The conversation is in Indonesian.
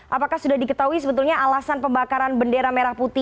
apakah sudah diketahui sebetulnya alasan pembakaran bendera merah putih